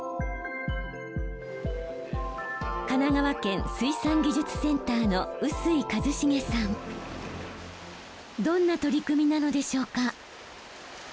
神奈川県水産技術センターのどんな取り組みなのでしょうか？